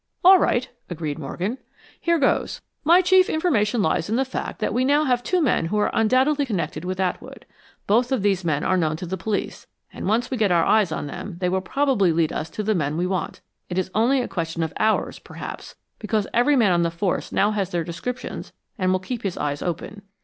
"All right," agreed Morgan. "Here goes. My chief information lies in the fact that we now have two men who are undoubtedly connected with Atwood. Both of these men are known to the police, and once we get our eyes on them they will probably lead us to the men we want. It is only a question of hours, perhaps, because every man on the force now has their descriptions and will keep his eyes open.